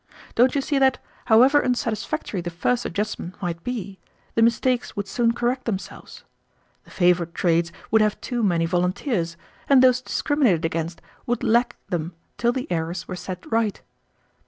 Don't you see that, however unsatisfactory the first adjustment might be, the mistakes would soon correct themselves? The favored trades would have too many volunteers, and those discriminated against would lack them till the errors were set right.